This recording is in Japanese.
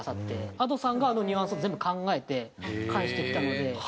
Ａｄｏさんがあのニュアンスを全部考えて返してきたので。